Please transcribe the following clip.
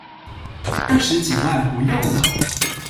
二十幾萬不用了